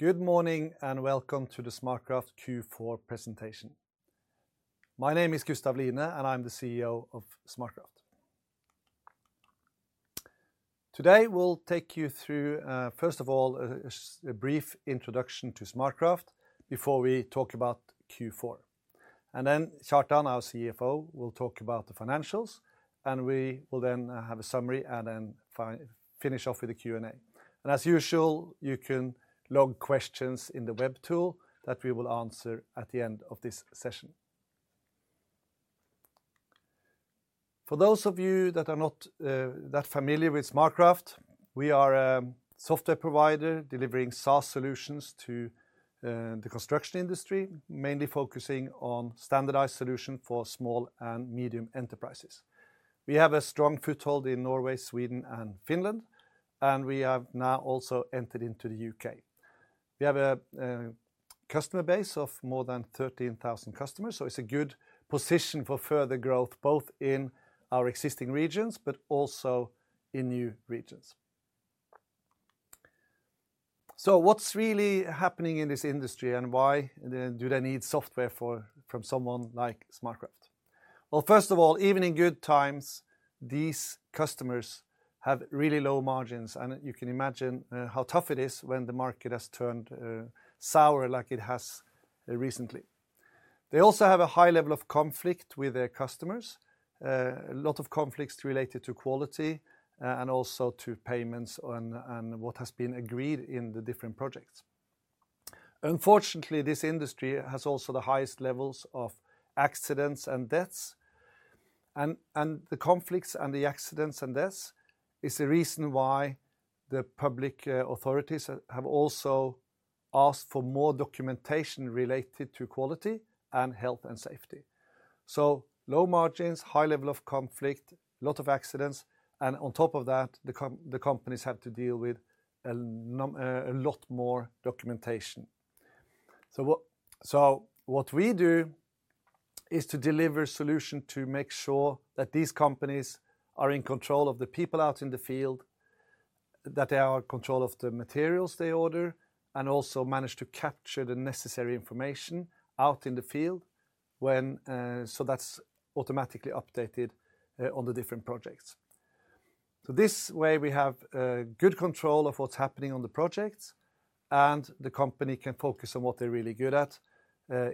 Good morning and welcome to the SmartCraft Q4 presentation. My name is Gustav Line, and I'm the CEO of SmartCraft. Today we'll take you through, first of all, a brief introduction to SmartCraft before we talk about Q4, and then Kjartan, our CFO, will talk about the financials, and we will then have a summary and then finish off with a Q&A, and as usual, you can log questions in the web tool that we will answer at the end of this session. For those of you that are not that familiar with SmartCraft, we are a software provider delivering SaaS solutions to the construction industry, mainly focusing on standardized solutions for small and medium enterprises. We have a strong foothold in Norway, Sweden, and Finland, and we have now also entered into the UK. We have a customer base of more than 13,000 customers, so it's a good position for further growth both in our existing regions but also in new regions. So what's really happening in this industry and why do they need software from someone like SmartCraft? Well, first of all, even in good times, these customers have really low margins, and you can imagine how tough it is when the market has turned sour like it has recently. They also have a high level of conflict with their customers, a lot of conflicts related to quality and also to payments and what has been agreed in the different projects. Unfortunately, this industry has also the highest levels of accidents and deaths, and the conflicts and the accidents and deaths is the reason why the public authorities have also asked for more documentation related to quality and health and safety. Low margins, high level of conflict, a lot of accidents, and on top of that, the companies have to deal with a lot more documentation. So what we do is to deliver solutions to make sure that these companies are in control of the people out in the field, that they are in control of the materials they order, and also manage to capture the necessary information out in the field so that's automatically updated on the different projects. So this way, we have good control of what's happening on the projects, and the company can focus on what they're really good at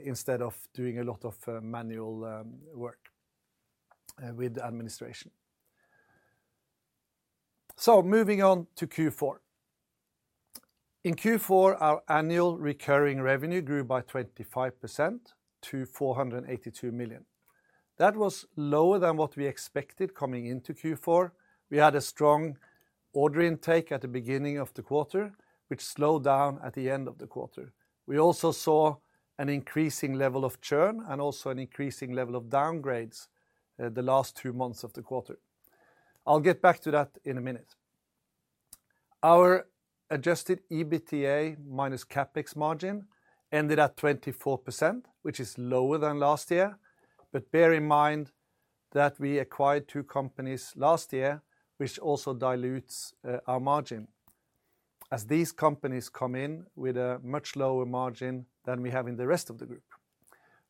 instead of doing a lot of manual work with the administration. So moving on to Q4. In Q4, our annual recurring revenue grew by 25% to 482 million. That was lower than what we expected coming into Q4. We had a strong order intake at the beginning of the quarter, which slowed down at the end of the quarter. We also saw an increasing level of churn and also an increasing level of downgrades the last two months of the quarter. I'll get back to that in a minute. Our adjusted EBITDA minus CapEx margin ended at 24%, which is lower than last year, but bear in mind that we acquired two companies last year, which also dilutes our margin as these companies come in with a much lower margin than we have in the rest of the group.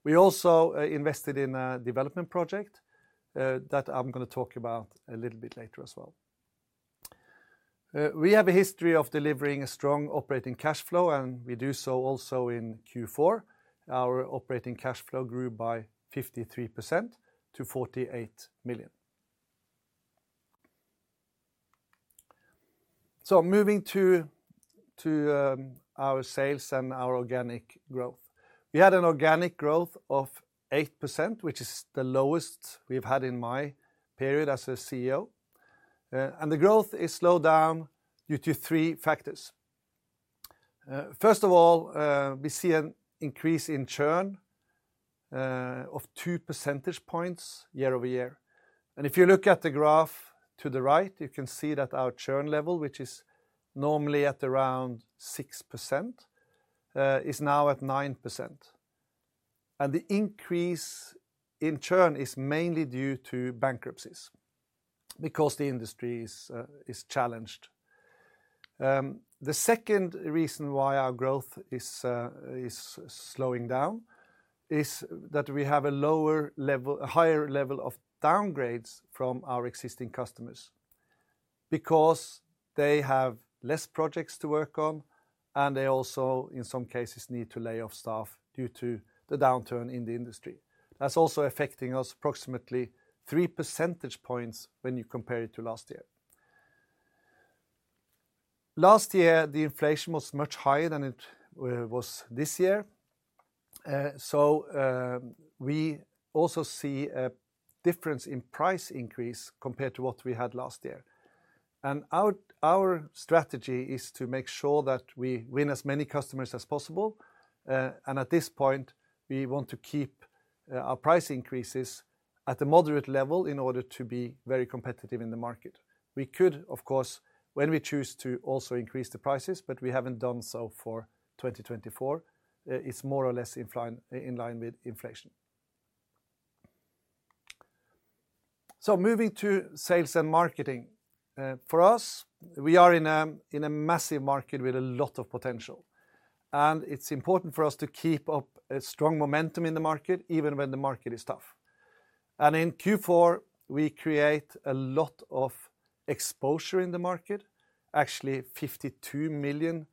We also invested in a development project that I'm going to talk about a little bit later as well. We have a history of delivering a strong operating cash flow, and we do so also in Q4. Our operating cash flow grew by 53% to NOK 48 million. Moving to our sales and our organic growth. We had an organic growth of 8%, which is the lowest we've had in my period as a CEO, and the growth has slowed down due to three factors. First of all, we see an increase in churn of two percentage points year over year. If you look at the graph to the right, you can see that our churn level, which is normally at around 6%, is now at 9%. The increase in churn is mainly due to bankruptcies because the industry is challenged. The second reason why our growth is slowing down is that we have a higher level of downgrades from our existing customers because they have less projects to work on, and they also, in some cases, need to lay off staff due to the downturn in the industry. That's also affecting us approximately 3 percentage points when you compare it to last year. Last year, the inflation was much higher than it was this year, so we also see a difference in price increase compared to what we had last year, and our strategy is to make sure that we win as many customers as possible, and at this point, we want to keep our price increases at a moderate level in order to be very competitive in the market. We could, of course, when we choose to also increase the prices, but we haven't done so for 2024. It's more or less in line with inflation, so moving to sales and marketing. For us, we are in a massive market with a lot of potential, and it's important for us to keep up a strong momentum in the market even when the market is tough. In Q4, we create a lot of exposure in the market, actually 52 million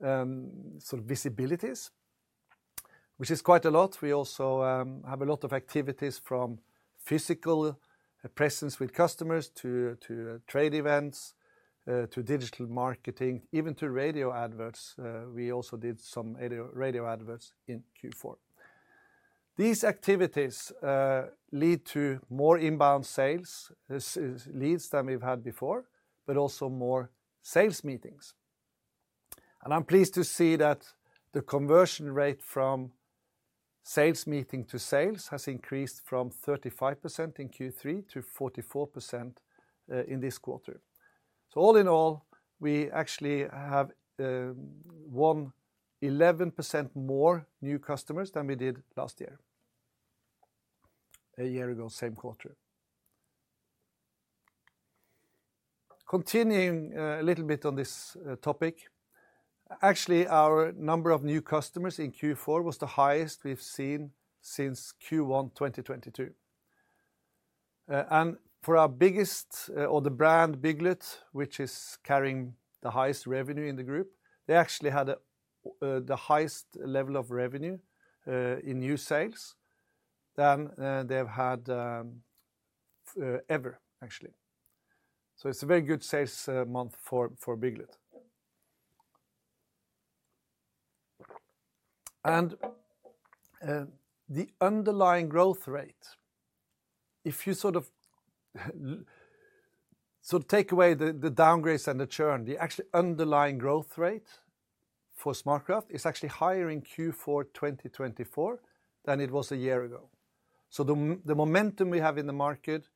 sort of visibilities, which is quite a lot. We also have a lot of activities from physical presence with customers to trade events to digital marketing, even to radio adverts. We also did some radio adverts in Q4. These activities lead to more inbound sales, leads than we've had before, but also more sales meetings. I'm pleased to see that the conversion rate from sales meeting to sales has increased from 35% in Q3 to 44% in this quarter. All in all, we actually have won 11% more new customers than we did last year, a year ago, same quarter. Continuing a little bit on this topic, actually, our number of new customers in Q4 was the highest we've seen since Q1 2022. And for our biggest, or the brand Bygglet, which is carrying the highest revenue in the group, they actually had the highest level of revenue in new sales than they've had ever, actually. So it's a very good sales month for Bygglet. And the underlying growth rate, if you sort of take away the downgrades and the churn, the actual underlying growth rate for SmartCraft is actually higher in Q4 2024 than it was a year ago. So the momentum we have in the market,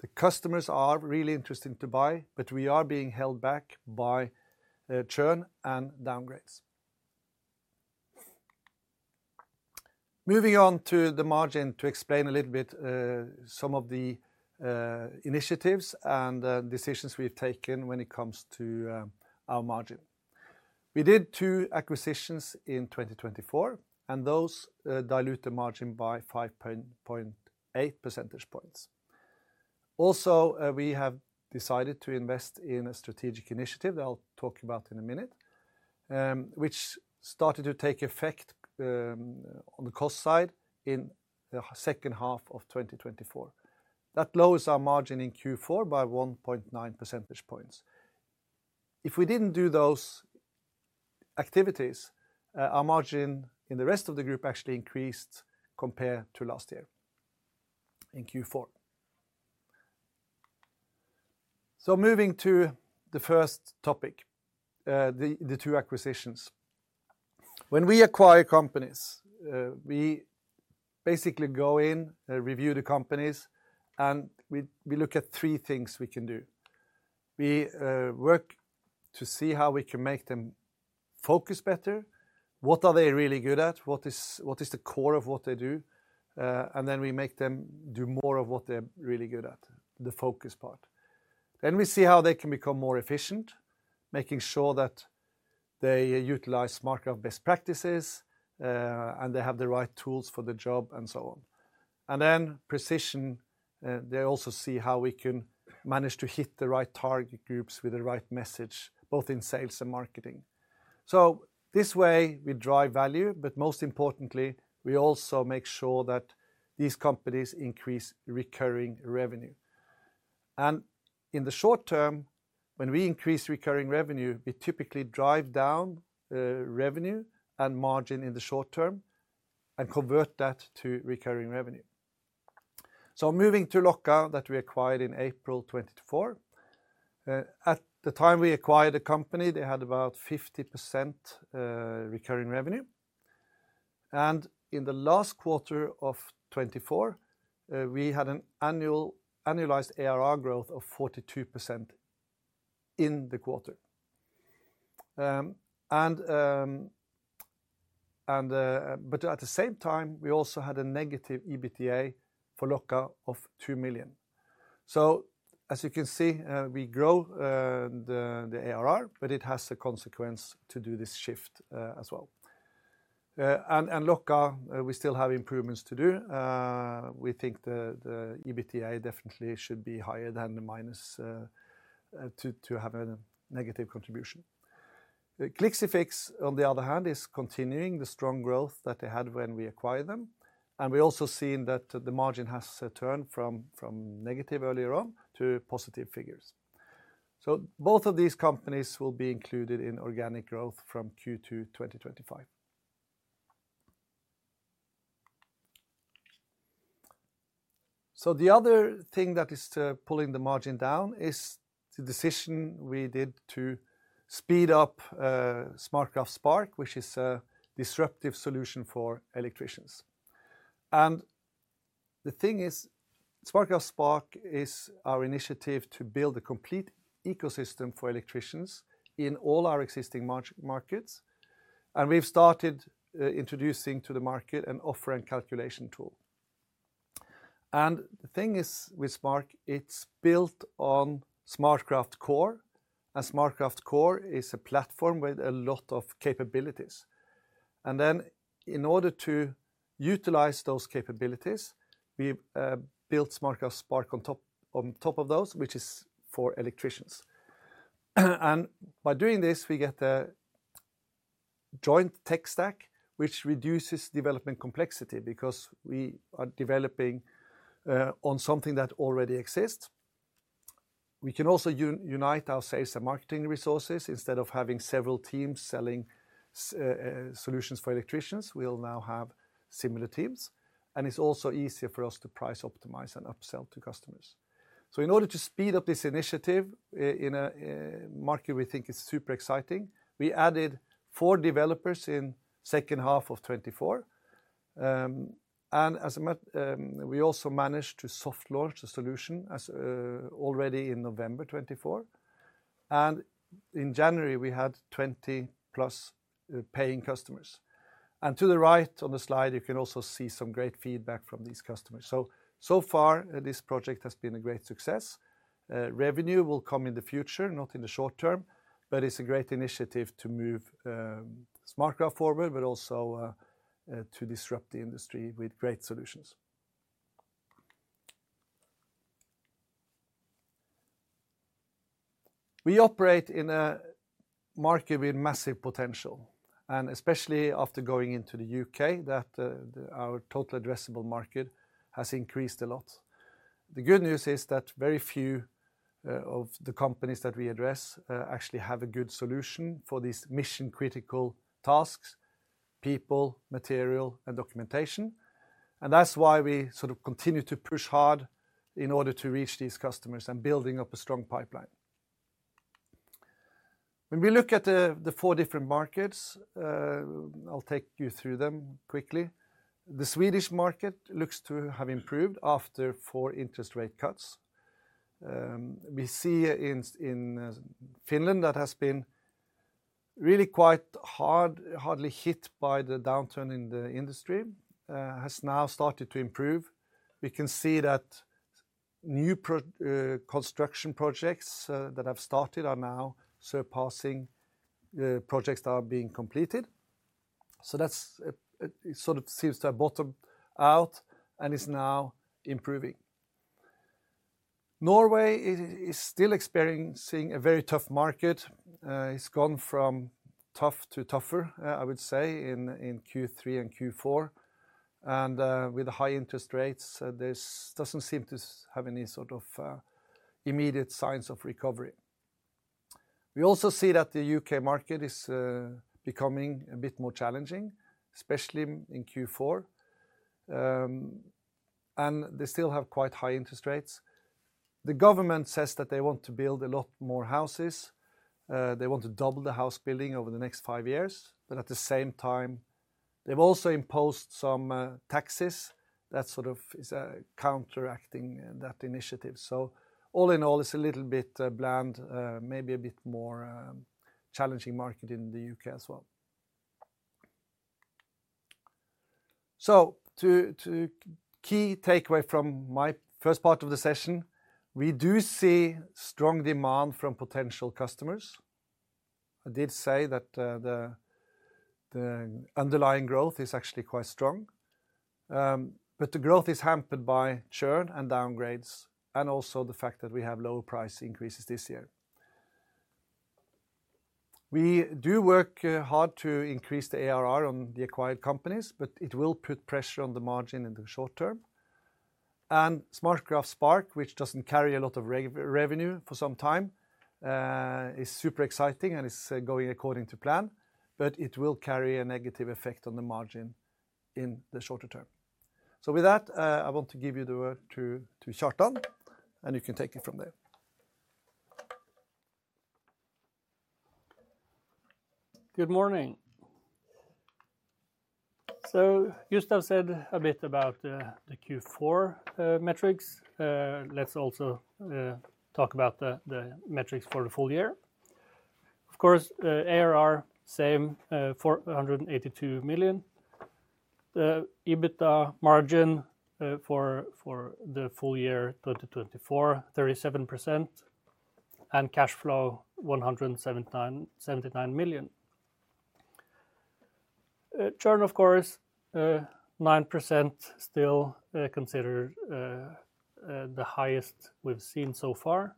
the customers are really interested to buy, but we are being held back by churn and downgrades. Moving on to the margin to explain a little bit some of the initiatives and decisions we've taken when it comes to our margin. We did two acquisitions in 2024, and those dilute the margin by 5.8 percentage points. Also, we have decided to invest in a strategic initiative that I'll talk about in a minute, which started to take effect on the cost side in the second half of 2024. That lowers our margin in Q4 by 1.9 percentage points. If we didn't do those activities, our margin in the rest of the group actually increased compared to last year in Q4. So moving to the first topic, the two acquisitions. When we acquire companies, we basically go in, review the companies, and we look at three things we can do. We work to see how we can make them focus better, what are they really good at, what is the core of what they do, and then we make them do more of what they're really good at, the focus part. Then we see how they can become more efficient, making sure that they utilize SmartCraft best practices, and they have the right tools for the job and so on. And then precision, they also see how we can manage to hit the right target groups with the right message, both in sales and marketing. So this way, we drive value, but most importantly, we also make sure that these companies increase recurring revenue. And in the short term, when we increase recurring revenue, we typically drive down revenue and margin in the short term and convert that to recurring revenue. So moving to Locka, that we acquired in April 2024. At the time we acquired the company, they had about 50% recurring revenue. And in the last quarter of 2024, we had an annualized ARR growth of 42% in the quarter. But at the same time, we also had a negative EBITDA for Locka of 2 million. So as you can see, we grow the ARR, but it has a consequence to do this shift as well. And Locka, we still have improvements to do. We think the EBITDA definitely should be higher than the minus two to have a negative contribution. Clixifix, on the other hand, is continuing the strong growth that they had when we acquired them, and we're also seeing that the margin has turned from negative earlier on to positive figures. So both of these companies will be included in organic growth from Q2 2025. So the other thing that is pulling the margin down is the decision we did to speed up SmartCraft Spark, which is a disruptive solution for electricians. The thing is, SmartCraft Spark is our initiative to build a complete ecosystem for electricians in all our existing markets, and we've started introducing to the market an offering calculation tool. The thing is with Spark, it's built on SmartCraft Core, and SmartCraft Core is a platform with a lot of capabilities. Then in order to utilize those capabilities, we built SmartCraft Spark on top of those, which is for electricians. By doing this, we get a joint tech stack, which reduces development complexity because we are developing on something that already exists. We can also unite our sales and marketing resources. Instead of having several teams selling solutions for electricians, we'll now have similar teams, and it's also easier for us to price optimize and upsell to customers. So in order to speed up this initiative in a market we think is super exciting, we added four developers in the second half of 2024. And we also managed to soft launch the solution already in November 2024, and in January, we had 20 plus paying customers. And to the right on the slide, you can also see some great feedback from these customers. So far, this project has been a great success. Revenue will come in the future, not in the short term, but it's a great initiative to move SmartCraft forward, but also to disrupt the industry with great solutions. We operate in a market with massive potential, and especially after going into the UK, that our total addressable market has increased a lot. The good news is that very few of the companies that we address actually have a good solution for these mission-critical tasks, people, material, and documentation. And that's why we sort of continue to push hard in order to reach these customers and build up a strong pipeline. When we look at the four different markets, I'll take you through them quickly. The Swedish market looks to have improved after four interest rate cuts. We see in Finland, that has been really quite hard hit by the downturn in the industry, has now started to improve. We can see that new construction projects that have started are now surpassing projects that are being completed. So that sort of seems to have bottomed out and is now improving. Norway is still experiencing a very tough market. It's gone from tough to tougher, I would say, in Q3 and Q4, and with the high interest rates, this doesn't seem to have any sort of immediate signs of recovery. We also see that the UK market is becoming a bit more challenging, especially in Q4, and they still have quite high interest rates. The government says that they want to build a lot more houses. They want to double the house building over the next five years, but at the same time, they've also imposed some taxes that sort of is counteracting that initiative. So all in all, it's a little bit bland, maybe a bit more challenging market in the UK as well. So the key takeaway from my first part of the session, we do see strong demand from potential customers. I did say that the underlying growth is actually quite strong, but the growth is hampered by churn and downgrades and also the fact that we have lower price increases this year. We do work hard to increase the ARR on the acquired companies, but it will put pressure on the margin in the short term. And SmartCraft Spark, which doesn't carry a lot of revenue for some time, is super exciting and is going according to plan, but it will carry a negative effect on the margin in the shorter term. So with that, I want to give you the word to Kjartan, and you can take it from there. Good morning, so Gustav said a bit about the Q4 metrics. Let's also talk about the metrics for the full year. Of course, ARR, same 482 million. EBITDA margin for the full year 2024, 37%, and cash flow 179 million. Churn, of course, 9%, still considered the highest we've seen so far,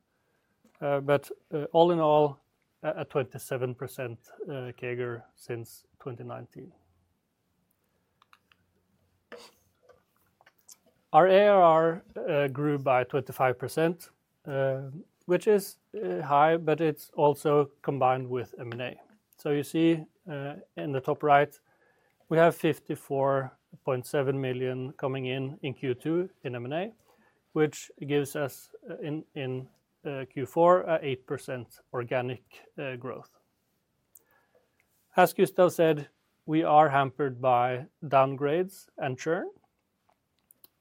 but all in all, a 27% CAGR since 2019. Our ARR grew by 25%, which is high, but it's also combined with M&A, so you see in the top right, we have 54.7 million coming in in Q2 in M&A, which gives us in Q4 an 8% organic growth. As Gustav said, we are hampered by downgrades and churn,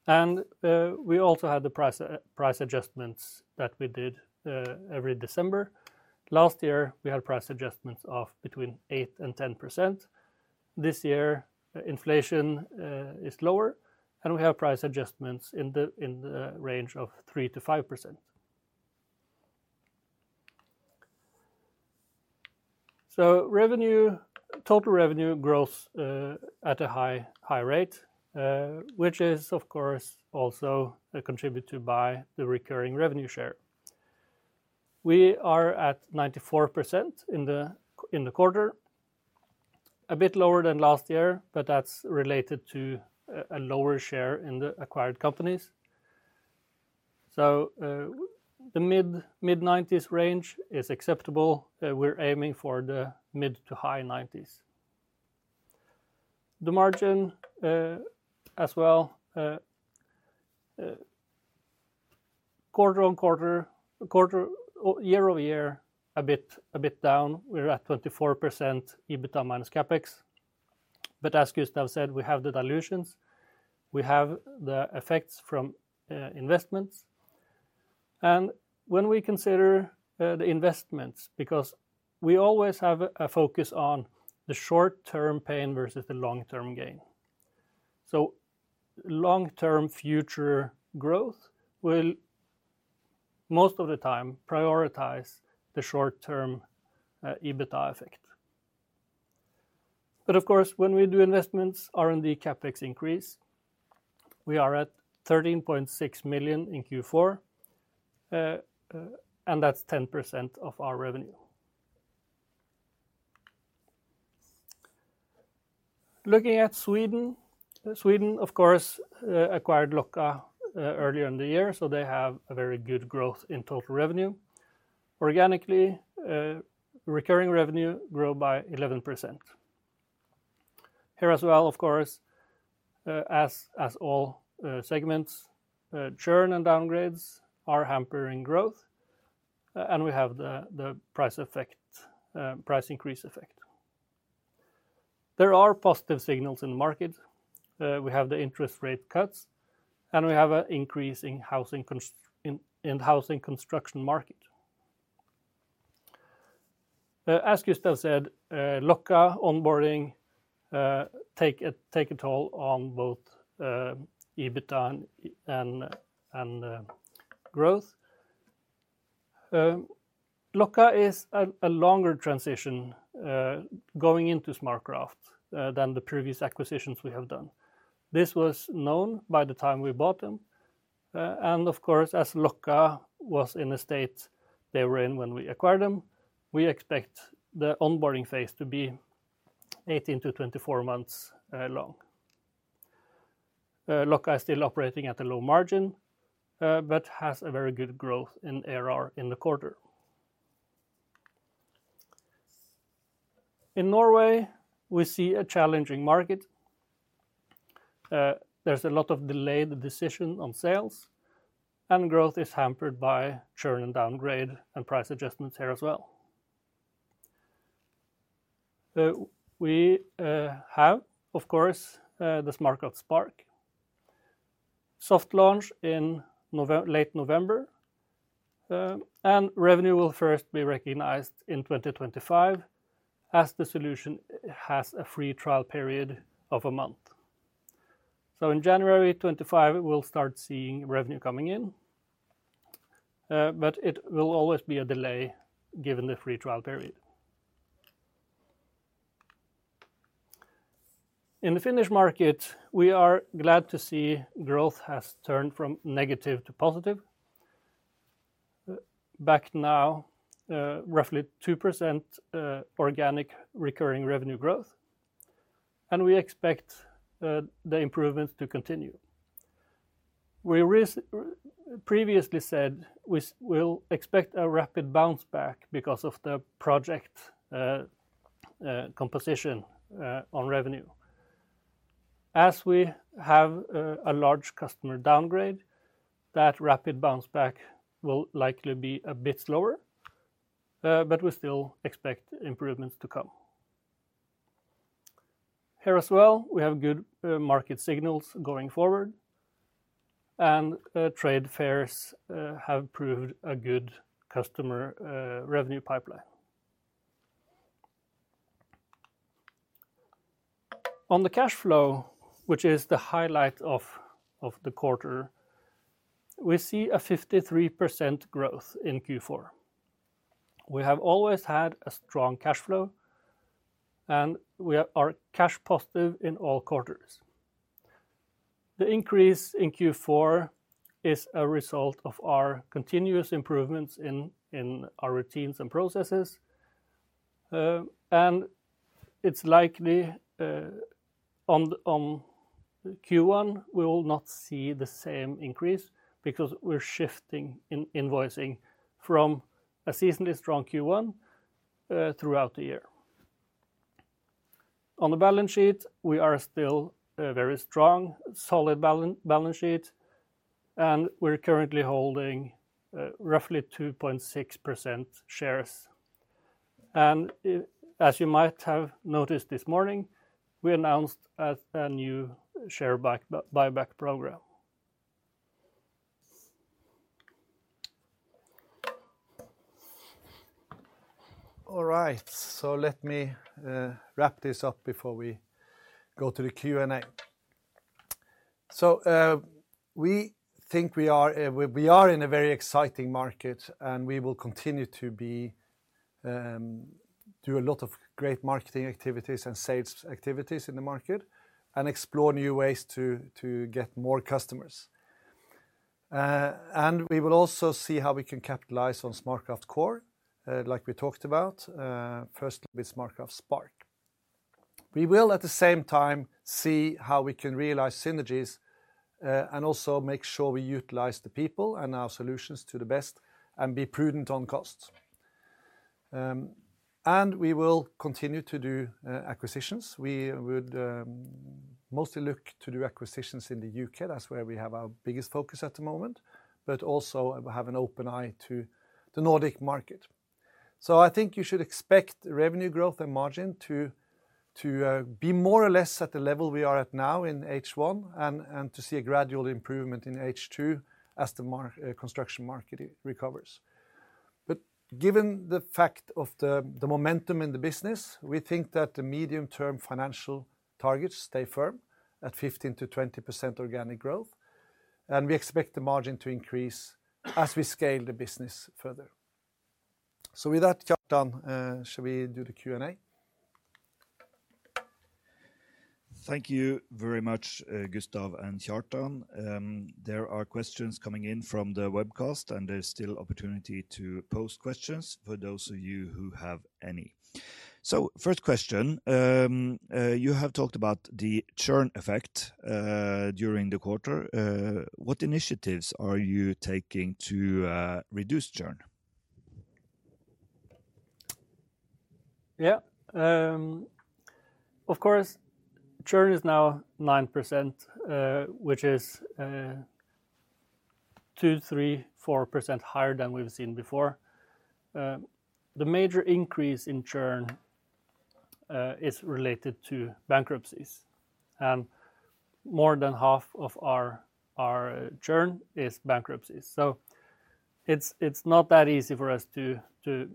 and we also had the price adjustments that we did every December. Last year, we had price adjustments of between 8% and 10%. This year, inflation is lower, and we have price adjustments in the range of 3%-5%. So total revenue grows at a high rate, which is, of course, also contributed by the recurring revenue share. We are at 94% in the quarter, a bit lower than last year, but that's related to a lower share in the acquired companies. So the mid-90s range is acceptable. We're aiming for the mid- to high 90s. The margin as well, quarter on quarter, year over year, a bit down. We're at 24% EBITDA minus CapEx. But as Gustav said, we have the dilutions. We have the effects from investments. And when we consider the investments, because we always have a focus on the short-term pain versus the long-term gain. So long-term future growth will most of the time prioritize the short-term EBITDA effect. But of course, when we do investments, R&D, CapEx increase. We are at 13.6 million in Q4, and that's 10% of our revenue. Looking at Sweden. Sweden, of course, acquired Locka earlier in the year, so they have a very good growth in total revenue. Organically, recurring revenue grew by 11%. Here as well, of course, as all segments, churn and downgrades are hampering growth, and we have the price increase effect. There are positive signals in the market. We have the interest rate cuts, and we have an increase in housing construction market. As Gustav said, Locka onboarding takes a toll on both EBITDA and growth. Locka is a longer transition going into SmartCraft than the previous acquisitions we have done. This was known by the time we bought them. And of course, as Locka was in a state they were in when we acquired them, we expect the onboarding phase to be 18-24 months long. Locka is still operating at a low margin, but has a very good growth in ARR in the quarter. In Norway, we see a challenging market. There's a lot of delayed decision on sales, and growth is hampered by churn and downgrade and price adjustments here as well. We have, of course, the SmartCraft Spark soft launch in late November, and revenue will first be recognized in 2025 as the solution has a free trial period of a month. So in January 2025, we'll start seeing revenue coming in, but it will always be a delay given the free trial period. In the Finnish market, we are glad to see growth has turned from negative to positive. Back now, roughly 2% organic recurring revenue growth, and we expect the improvements to continue. We previously said we'll expect a rapid bounce back because of the project composition on revenue. As we have a large customer downgrade, that rapid bounce back will likely be a bit slower, but we still expect improvements to come. Here as well, we have good market signals going forward, and trade fairs have proved a good customer revenue pipeline. On the cash flow, which is the highlight of the quarter, we see a 53% growth in Q4. We have always had a strong cash flow, and we are cash positive in all quarters. The increase in Q4 is a result of our continuous improvements in our routines and processes, and it's likely on Q1 we will not see the same increase because we're shifting in invoicing from a seasonally strong Q1 throughout the year. On the balance sheet, we are still a very strong, solid balance sheet, and we're currently holding roughly 2.6% shares, and as you might have noticed this morning, we announced a new share buyback program. All right, so let me wrap this up before we go to the Q&A. So we think we are in a very exciting market, and we will continue to do a lot of great marketing activities and sales activities in the market and explore new ways to get more customers, and we will also see how we can capitalize on SmartCraft Core, like we talked about, first with SmartCraft Spark. We will, at the same time, see how we can realize synergies and also make sure we utilize the people and our solutions to the best and be prudent on costs. And we will continue to do acquisitions. We would mostly look to do acquisitions in the UK. That's where we have our biggest focus at the moment, but also have an open eye to the Nordic market. So I think you should expect revenue growth and margin to be more or less at the level we are at now in H1 and to see a gradual improvement in H2 as the construction market recovers. But given the fact of the momentum in the business, we think that the medium-term financial targets stay firm at 15%-20% organic growth, and we expect the margin to increase as we scale the business further. So with that, Kjartan, shall we do the Q&A? Thank you very much, Gustav and Kjartan. There are questions coming in from the webcast, and there's still opportunity to post questions for those of you who have any. So first question, you have talked about the churn effect during the quarter. What initiatives are you taking to reduce churn? Yeah, of course, churn is now 9%, which is 2%-4% higher than we've seen before. The major increase in churn is related to bankruptcies, and more than half of our churn is bankruptcies. So it's not that easy for us to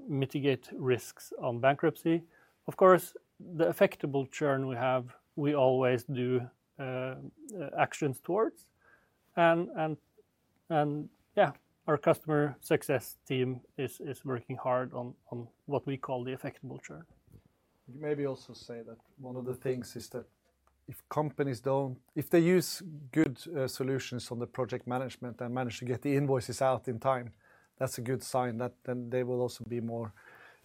mitigate risks on bankruptcy. Of course, the effective churn we have, we always do actions towards, and yeah, our customer success team is working hard on what we call the effective churn. You maybe also say that one of the things is that if companies don't, if they use good solutions on the project management and manage to get the invoices out in time, that's a good sign that then they will also be more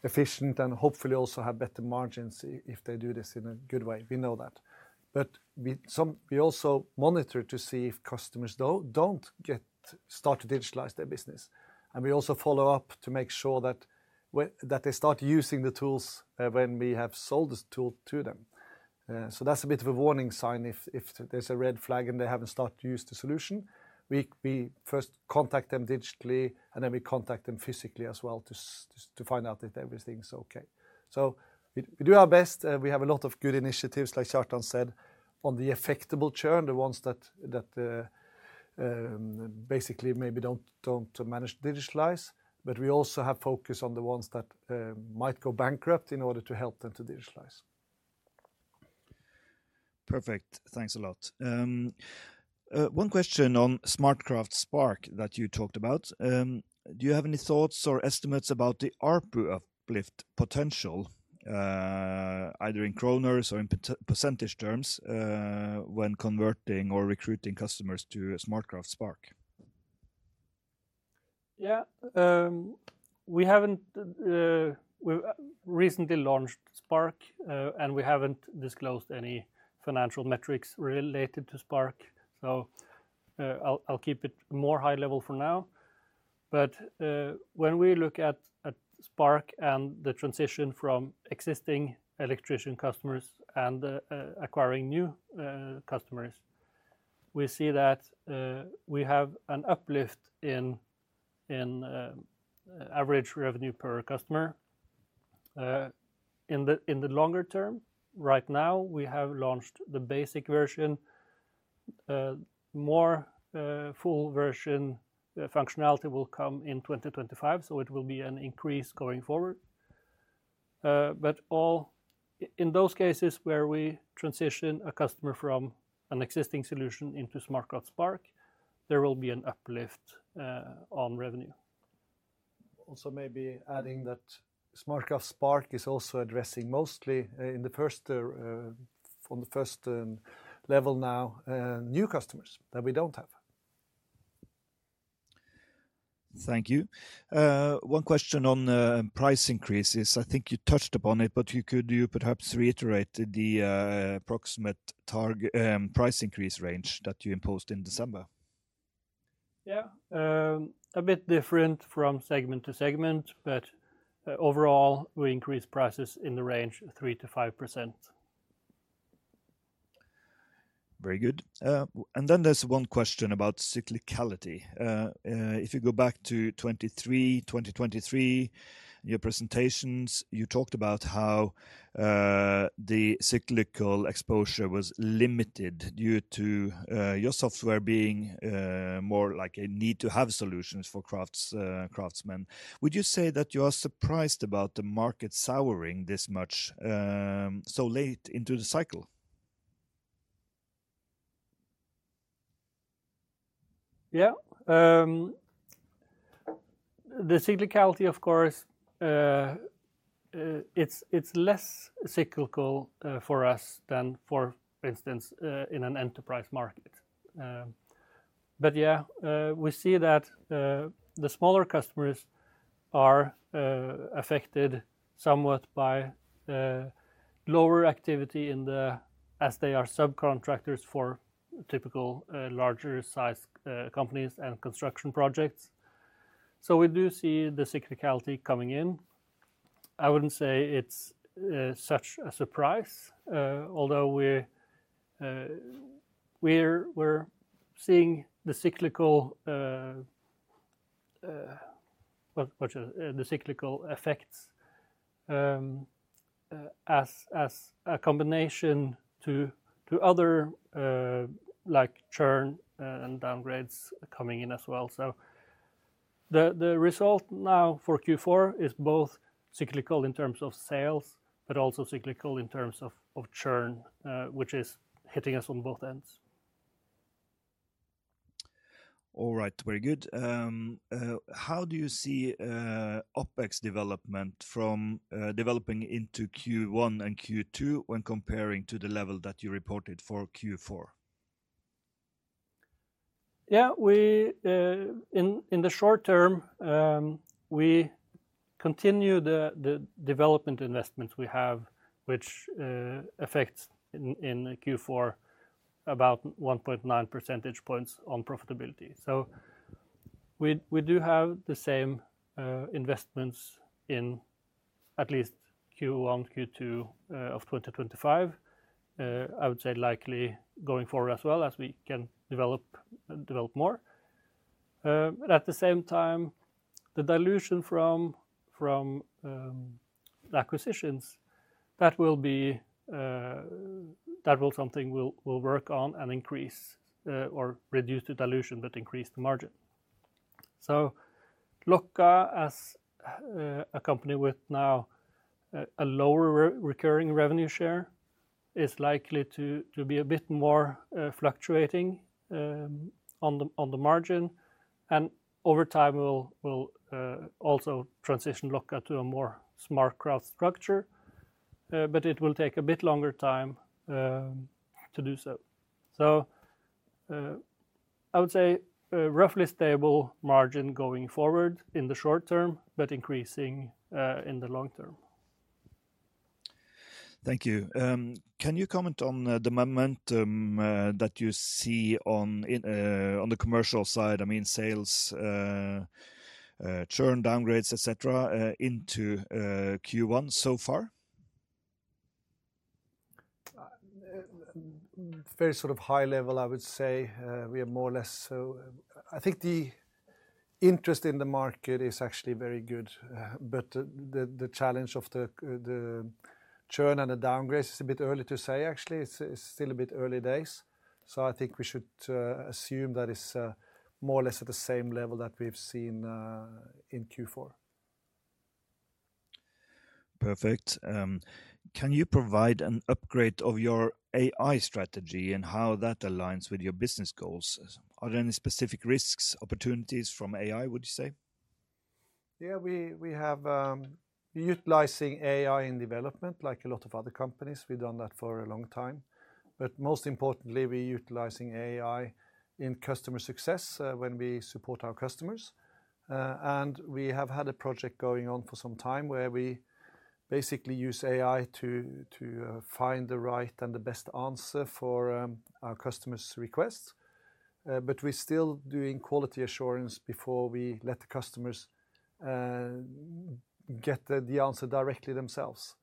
efficient and hopefully also have better margins if they do this in a good way. We know that, but we also monitor to see if customers don't start to digitalize their business, and we also follow up to make sure that they start using the tools when we have sold the tool to them, so that's a bit of a warning sign. If there's a red flag and they haven't started to use the solution, we first contact them digitally, and then we contact them physically as well to find out if everything's okay, so we do our best. We have a lot of good initiatives, like Kjartan said, on the effective churn, the ones that basically maybe don't manage to digitalize, but we also have focus on the ones that might go bankrupt in order to help them to digitalize. Perfect. Thanks a lot. One question on SmartCraft Spark that you talked about. Do you have any thoughts or estimates about the uplift potential, either in kroners or in percentage terms, when converting or recruiting customers to SmartCraft Spark? Yeah, we recently launched Spark, and we haven't disclosed any financial metrics related to Spark. So I'll keep it more high level for now. But when we look at Spark and the transition from existing electrician customers and acquiring new customers, we see that we have an uplift in average revenue per customer in the longer term. Right now, we have launched the basic version. More full version functionality will come in 2025, so it will be an increase going forward. But in those cases where we transition a customer from an existing solution into SmartCraft Spark, there will be an uplift on revenue. Also, maybe adding that SmartCraft Spark is also addressing mostly in the first level now new customers that we don't have. Thank you. One question on price increases. I think you touched upon it, but could you perhaps reiterate the approximate price increase range that you imposed in December? Yeah, a bit different from segment to segment, but overall, we increase prices in the range of 3%-5%. Very good, and then there's one question about cyclicality. If you go back to 2023, your presentations, you talked about how the cyclical exposure was limited due to your software being more like a need-to-have solution for craftsmen. Would you say that you are surprised about the market souring this much so late into the cycle? Yeah, the cyclicality, of course, it's less cyclical for us than, for instance, in an enterprise market. But yeah, we see that the smaller customers are affected somewhat by lower activity as they are subcontractors for typical larger-sized companies and construction projects. So we do see the cyclicality coming in. I wouldn't say it's such a surprise, although we're seeing the cyclical effects as a combination to other churn and downgrades coming in as well. So the result now for Q4 is both cyclical in terms of sales, but also cyclical in terms of churn, which is hitting us on both ends. All right, very good. How do you see OpEx development from developing into Q1 and Q2 when comparing to the level that you reported for Q4? Yeah, in the short term, we continue the development investments we have, which affects in Q4 about 1.9 percentage points on profitability. So we do have the same investments in at least Q1, Q2 of 2025, I would say likely going forward as well as we can develop more. At the same time, the dilution from acquisitions, that will be something we'll work on and increase or reduce the dilution, but increase the margin. So Locka, as a company with now a lower recurring revenue share, is likely to be a bit more fluctuating on the margin. And over time, we'll also transition Locka to a more SmartCraft structure, but it will take a bit longer time to do so. So I would say roughly stable margin going forward in the short term, but increasing in the long term. Thank you. Can you comment on the momentum that you see on the commercial side, I mean sales, churn, downgrades, et cetera, into Q1 so far? Very sort of high level, I would say. We are more or less, I think the interest in the market is actually very good, but the challenge of the churn and the downgrades is a bit early to say, actually. It's still a bit early days. So I think we should assume that it's more or less at the same level that we've seen in Q4. Perfect. Can you provide an upgrade of your AI strategy and how that aligns with your business goals? Are there any specific risks, opportunities from AI, would you say? Yeah, we are utilizing AI in development, like a lot of other companies. We've done that for a long time. Most importantly, we are utilizing AI in customer success when we support our customers. We have had a project going on for some time where we basically use AI to find the right and the best answer for our customers' requests. We're still doing quality assurance before we let the customers get the answer directly themselves.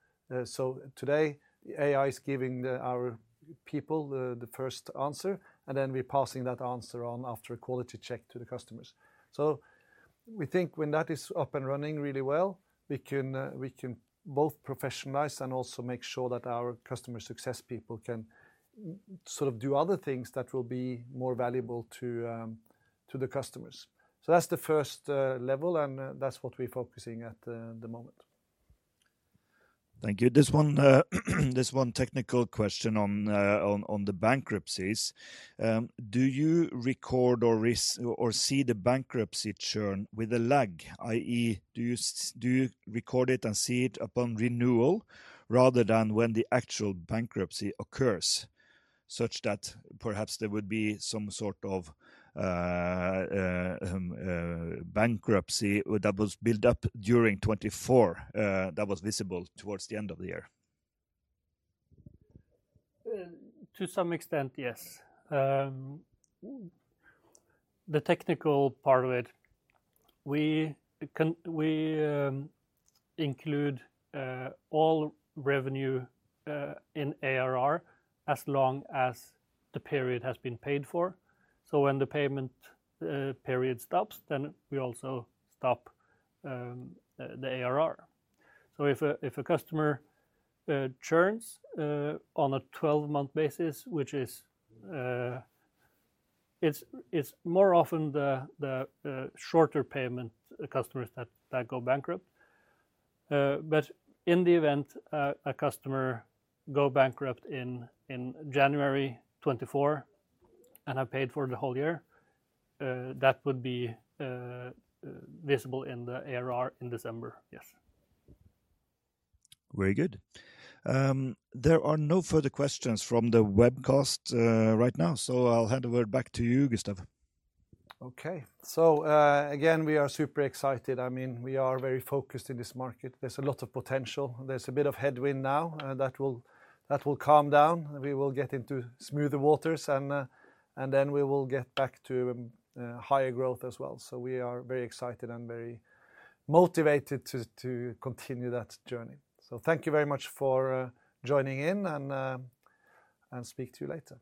Today, AI is giving our people the first answer, and then we're passing that answer on after a quality check to the customers. We think when that is up and running really well, we can both professionalize and also make sure that our customer success people can sort of do other things that will be more valuable to the customers. So that's the first level, and that's what we're focusing at the moment. Thank you. There's one technical question on the bankruptcies. Do you record or see the bankruptcy churn with a lag, i.e., do you record it and see it upon renewal rather than when the actual bankruptcy occurs, such that perhaps there would be some sort of bankruptcy that was built up during 2024 that was visible towards the end of the year? To some extent, yes. The technical part of it, we include all revenue in ARR as long as the period has been paid for. So when the payment period stops, then we also stop the ARR. So if a customer churns on a 12-month basis, which is more often the shorter payment customers that go bankrupt. But in the event a customer goes bankrupt in January 2024 and have paid for the whole year, that would be visible in the ARR in December, yes. Very good. There are no further questions from the webcast right now, so I'll hand over back to you, Gustav. Okay, so again, we are super excited. I mean, we are very focused in this market. There's a lot of potential. There's a bit of headwind now that will calm down. We will get into smoother waters, and then we will get back to higher growth as well, so we are very excited and very motivated to continue that journey, so thank you very much for joining in, and speak to you later.